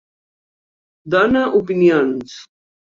Dona opinions.